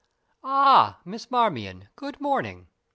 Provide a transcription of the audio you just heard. Ah, Miss Marmion, good morning!